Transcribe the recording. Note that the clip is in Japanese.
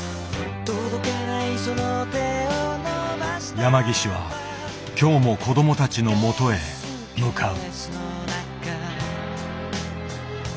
山岸は今日も子どもたちのもとへ向かう。